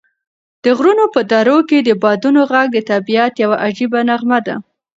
د غرونو په درو کې د بادونو غږ د طبعیت یوه عجیبه نغمه ده.